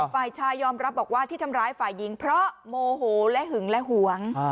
ฝ่ายชายยอมรับบอกว่าที่ทำร้ายฝ่ายหญิงเพราะโมโหและหึงและหวง